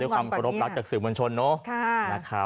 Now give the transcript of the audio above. ด้วยความเคารพรับจากสื่อบัญชนเนอะ